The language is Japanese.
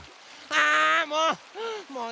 あもう！